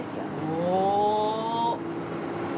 おお。